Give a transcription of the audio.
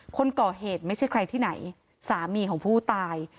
คนก่อเหตุไม่ใช่ใครที่ไหนสามีของผู้ตาย